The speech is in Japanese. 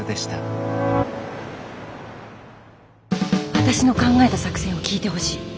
私の考えた作戦を聞いてほしい。